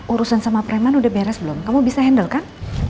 urusan sama preman udah beres belum kamu bisa handle kan